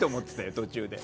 途中で。